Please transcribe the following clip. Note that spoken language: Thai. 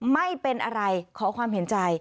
ไม่เป็นอะไรขอความเห็นใจ